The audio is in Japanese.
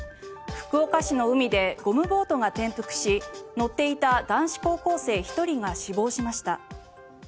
福岡市の海でゴムボートが転覆し乗っていた男子高校生１人が死亡しました。